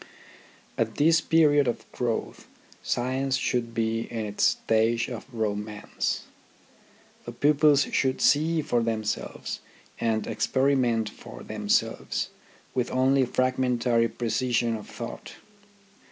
At this period of growth science should be in its stage of romance. The pupils should see for themselves, and experiment for themselves, with only fragmentary precision of thought.